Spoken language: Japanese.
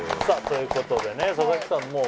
さっということでね佐々木さん